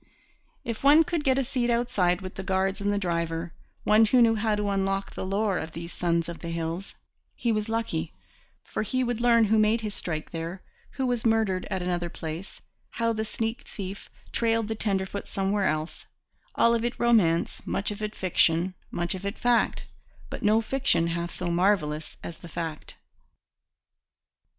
If one could get a seat outside with the guards and the driver one who knew how to unlock the lore of these sons of the hills he was lucky; for he would learn who made his strike there, who was murdered at another place, how the sneak thief trailed the tenderfoot somewhere else all of it romance, much of it fiction, much of it fact, but no fiction half so marvellous as the fact.